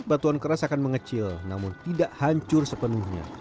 batuan keras akan mengecil namun tidak hancur sepenuhnya